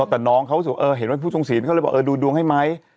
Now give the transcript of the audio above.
แต่น้องเขาเห็นว่าเป็นผู้ทรงสินเขาเลยบอกดูดวงให้ไหม